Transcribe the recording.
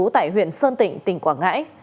tại huyện sơn tịnh tỉnh quảng ngãi